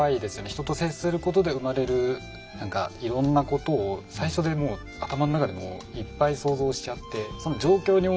人と接することで生まれる何かいろんなことを最初でもう頭の中でいっぱい想像しちゃって。